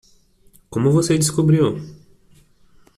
Como você descobriu?